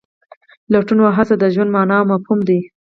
لټون او هڅه د ژوند مانا او مفهوم دی.